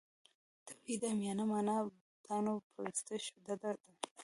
توحید عامیانه معنا بوتانو پرستش ډډه دی.